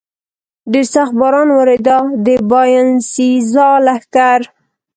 ډېر سخت باران ورېده، د باینسېزا لښکر.